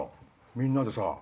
みんなでさ。